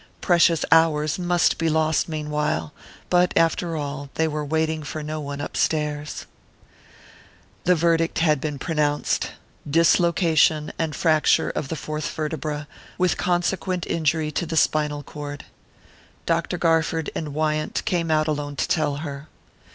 Precious hours must be lost meanwhile but, after all, they were waiting for no one upstairs. The verdict had been pronounced: dislocation and fracture of the fourth vertebra, with consequent injury to the spinal cord. Dr. Garford and Wyant came out alone to tell her.